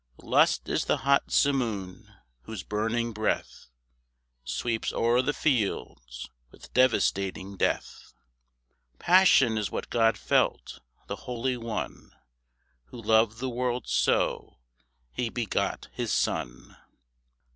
Lust is the hot simoon whose burning breath Sweeps o'er the fields with devastating death. Passion is what God felt, the Holy One, Who loved the world so, He begot his Son.